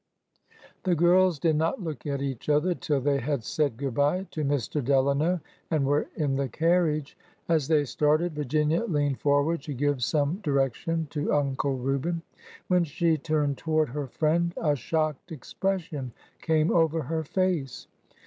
The girls did not look at each other till they had said good by to Mr. Delano and were in the carriage. As they started, Virginia leaned forward to give some direc tion to Uncle Reuben. When she turned toward her friend, a shocked expression came over her face.